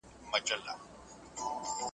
صبر د بریا کلی ده.